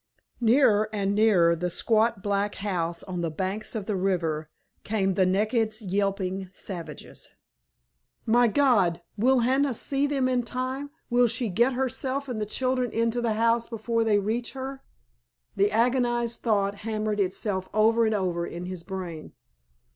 Nearer and nearer the squat black house on the banks of the river came the naked, yelping savages. "My God—will Hannah see them in time—will she get herself and the children into the house before they reach her!" The agonized thought hammered itself over and over in his brain.